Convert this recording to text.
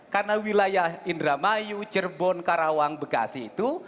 karena wilayah indramayu cirebon karawang bekasi itu